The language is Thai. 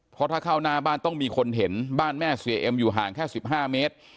เพราะถ้าเข้าหน้าบ้านต้องมีคนเห็นบ้านแม่เสียเอ็มอยู่ห่างแค่๑๕เมตร